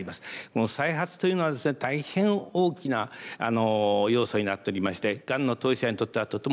この再発というのはですね大変大きな要素になっておりましてがんの当事者にとってはとても切なく